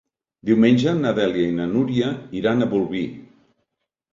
Diumenge na Dèlia i na Núria iran a Bolvir.